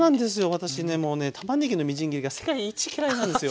私ねもうねたまねぎのみじん切りが世界一嫌いなんですよ。